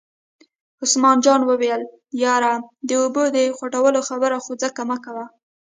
عثمان جان وویل: یار د اوبو د خوټولو خبره خو ځکه مکوه.